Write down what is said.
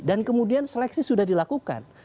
dan kemudian seleksi sudah dilakukan